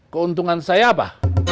keuntungan saya apa